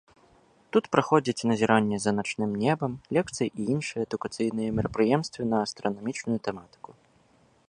Тут праходзяць назіранні за начным небам, лекцыі і іншыя адукацыйныя мерапрыемствы на астранамічную тэматыку.